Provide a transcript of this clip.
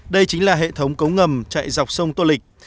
đây chính là hệ thống cống ngầm chạy dọc sông tô lịch